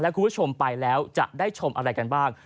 คุณผู้ชมไปแล้วจะได้ชมอะไรกันบ้าง